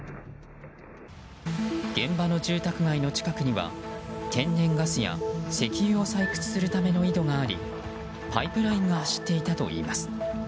現場の住宅街の近くには天然ガスや石油を採掘するための井戸がありパイプラインが走っていたといいます。